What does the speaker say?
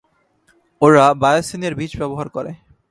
ওরা বায়োসিনের বীজ ব্যবহার করে।